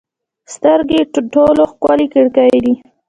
سترګې ټولو ښکلې کړکۍ دي.